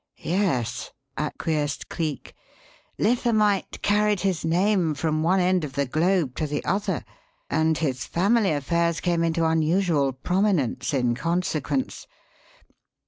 "Yes," acquiesced Cleek. "Lithamite carried his name from one end of the globe to the other; and his family affairs came into unusual prominence in consequence.